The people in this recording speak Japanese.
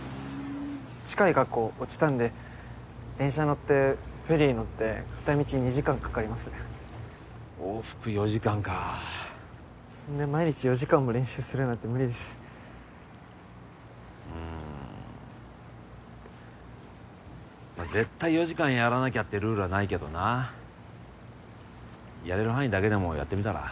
近い学校落ちたんで電車乗ってフェリー乗って片道２時間かかります往復４時間かそんで毎日４時間も練習するなんて無理ですうんまあ絶対４時間やらなきゃってルールはないけどなやれる範囲だけでもやってみたら？